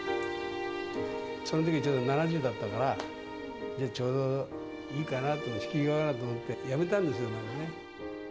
その時ちょうど７０だったから、ちょうどいいかな、引き際かなと思ってやめたんですよね。